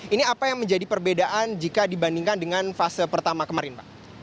ini apa yang menjadi perbedaan jika dibandingkan dengan fase pertama kemarin pak